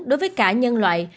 đối với cả nhân loại